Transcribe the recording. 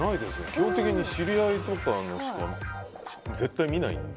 基本的に知り合いのとかしか絶対見ないので。